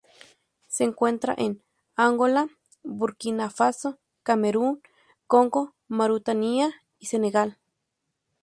Se encuentra en Angola, Burkina Faso, Camerún, Congo, Mauritania y Senegal.